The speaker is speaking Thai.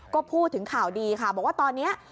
ก็พูดถึงข่าวดีค่ะบอกว่าตอนนี้